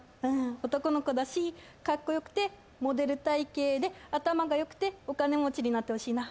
男の子だしカッコよくてモデル体形で頭が良くてお金持ちになってほしいな。